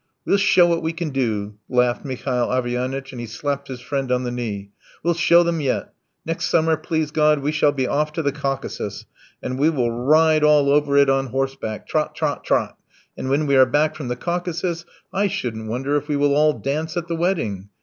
"We'll show what we can do," laughed Mihail Averyanitch, and he slapped his friend on the knee. "We'll show them yet! Next summer, please God, we shall be off to the Caucasus, and we will ride all over it on horseback trot, trot, trot! And when we are back from the Caucasus I shouldn't wonder if we will all dance at the wedding."